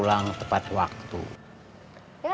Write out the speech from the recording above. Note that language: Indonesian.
bagaimana comongnya ntar siang tadi engkep brenden